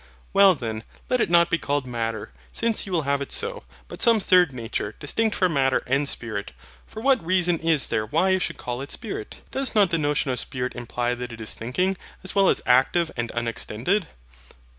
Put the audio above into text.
Well then, let it not be called Matter, since you will have it so, but some THIRD NATURE distinct from Matter and Spirit. For what reason is there why you should call it Spirit? Does not the notion of spirit imply that it is thinking, as well as active and unextended?